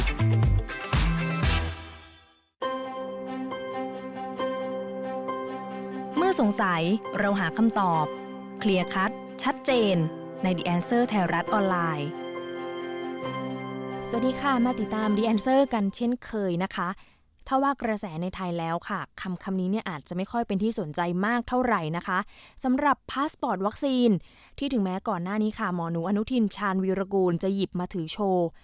พาสปอร์ตวัคซีนที่ถึงแม้ก่อนหน้านี้ค่ะหมอนุอนุทินชาญวิรากูลจะหยิบมาถือโชว์